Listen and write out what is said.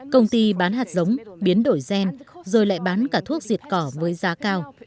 công ty bán hạt giống biến đổi gen rồi lại bán cả thuốc diệt cỏ với giá cao